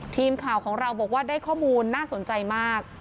ทีมข่าวของเราบอกว่าได้ข้อมูลน่าสนใจมาก